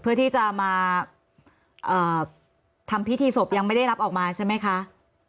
เพื่อที่จะมาทำพิธีศพยังไม่ได้รับออกมาใช่ไหมคะ